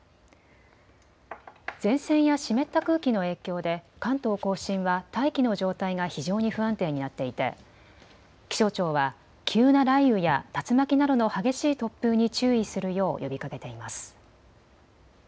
前線や湿った空気の影響で関東甲信は大気の状態が非常に不安定になっていて気象庁は急な雷雨や竜巻などの激しい突風に注意するよう呼びかけています。